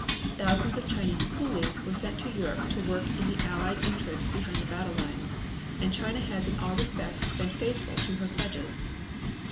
Thousands of Chinese coolies were sent to Europe to work in the Allied interests behind the battle lines, and China has in all respects been faithful to her pledges.